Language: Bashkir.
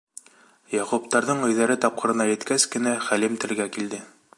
Яҡуптарҙың өйҙәре тапҡырына еткәс кенә Хәлим телгә килде: